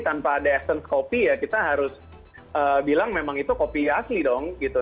tanpa ada essence kopi ya kita harus bilang memang itu kopi asli dong gitu